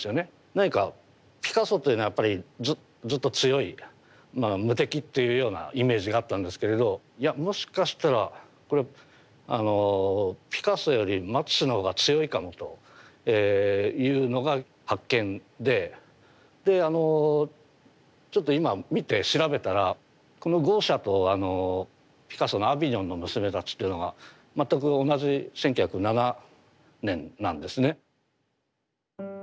何かピカソというのはやっぱりずっと強い無敵っていうようなイメージがあったんですけれどいやもしかしたらこれはピカソよりマティスの方が強いかもというのが発見でであのちょっと今見て調べたらこの「豪奢」とピカソの「アヴィニョンの娘たち」っていうのが全く同じ１９０７年なんですね。